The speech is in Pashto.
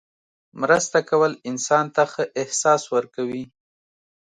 مرسته کول انسان ته ښه احساس ورکوي.